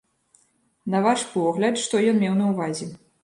На ваш погляд, што ён меў на ўвазе?